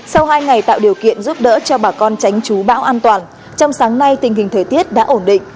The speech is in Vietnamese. sau hai ngày tạo điều kiện giúp đỡ cho bà con tránh chú bão an toàn trong sáng nay tình hình thời tiết đã ổn định